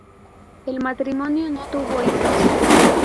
El matrimonio no tuvo hijos.